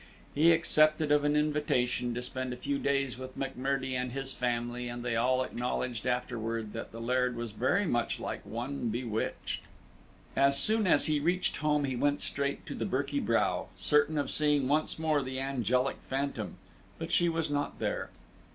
He accepted of an invitation to spend a few days with M'Murdie and his family, but they all acknowledged afterward that the Laird was very much like one bewitched. As soon as he reached home he went straight to the Birky Brow, certain of seeing once more the angelic phantom, but she was not there.